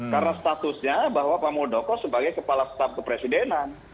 karena statusnya bahwa pak muldoko sebagai kepala staf kepresidenan